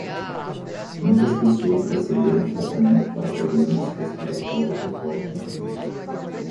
Muitas pessoas receberam tratamento para problemas respiratórios após o conflito.